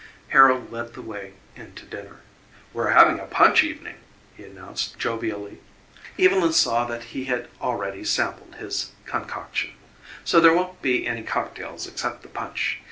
Harold led the way into dinner. "We're having a punch evening," he announced jovially Evylyn saw that he had already sampled his concoction "so there won't be any cocktails except the punch.